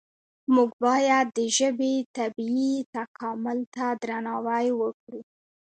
موږ باید د ژبې طبیعي تکامل ته درناوی وکړو.